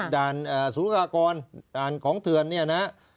ด่านสูงหากรด่านของเถิดนี่นะ